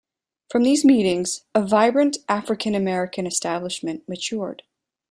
From these meetings, a vibrant African-American Establishment matured.